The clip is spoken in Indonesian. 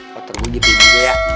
motor gue gigitin juga ya